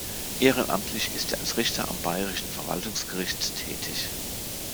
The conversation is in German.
Ehrenamtlich ist er als Richter am Bayerischen Verwaltungsgericht tätig.